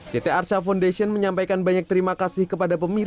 ct arsha foundation menyampaikan banyak terima kasih kepada pemirsa